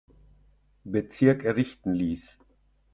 Bezirk errichten ließ.